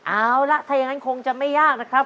เอาล่ะถ้าอย่างนั้นคงจะไม่ยากนะครับ